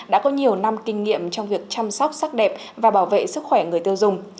đã có nhiều năm kinh nghiệm trong việc chăm sóc sắc đẹp và bảo vệ sức khỏe người tiêu dùng